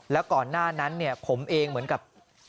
แล้วก่อนหน้านั้นเนี่ยผมเองเหมือนกับ